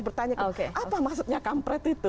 bertanyakan apa maksudnya kampret itu